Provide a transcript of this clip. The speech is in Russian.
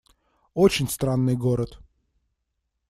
Очень странный город.